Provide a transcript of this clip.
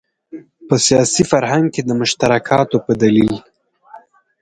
په سیاسي فرهنګ کې د مشترکاتو په دلیل.